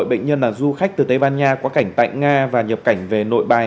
bệnh nhân là du khách từ tây ban nha quá cảnh tại nga và nhập cảnh về nội bài